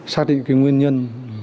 xác định cái nguyên nhân